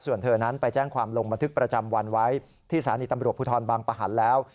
ส่วนเธอนั้นไปแจ้งความลงบันทึกประจำวันไว้ที่สถานีตำรวจภูทรบางประหันแล้ว